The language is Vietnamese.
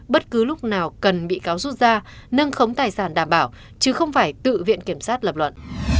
bất cứ lúc nào cần bị cáo rút ra nâng khống tài sản đảm bảo chứ không phải tự viện kiểm sát lập luận